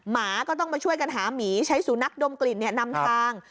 หมาก็ต้องมาช่วยกันหาหมีใช้สูนักดมกลิ่นนำทาง